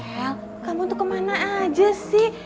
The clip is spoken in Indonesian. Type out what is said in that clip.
hel kamu tuh kemana aja sih